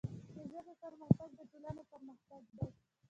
د ژبې پرمختګ د ټولنې پرمختګ دی.